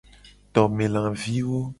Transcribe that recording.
Tome laviwo.